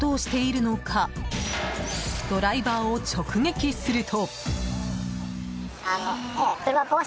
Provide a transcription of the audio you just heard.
なぜこんなことをしているのかドライバーを直撃すると。